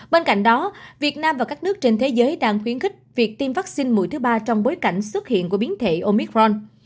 bên cạnh đó việt nam và các nước trên thế giới đang khuyến khích việc tiêm vaccine mũi thứ ba trong bối cảnh xuất hiện của biến thể omicron